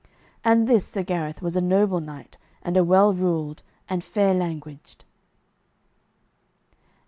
And this Sir Gareth was a noble knight, and a well ruled, and fair languaged.